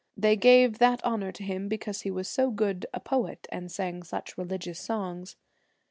They gave that honour to him because he was so good a poet, and sang such religious songs.'